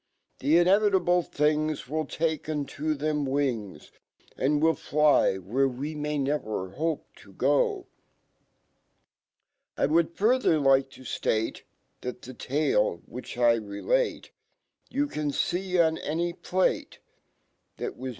The inevitable ihings Wii 1 take u nt o them wi ng $, And wil 1 fly where ^wemay never hope to I would further like to ftate, That fhe tale/ which L relate , YOU can tco nanypLato That'wairna.